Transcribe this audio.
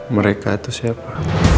mereka itu siapa